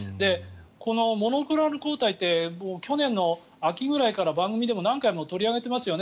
このモノクローナル抗体って去年の秋ぐらいから番組でも何回も取り上げてますよね。